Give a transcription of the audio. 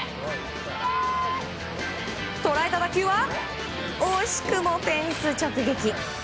捉えた打球は惜しくもフェンス直撃。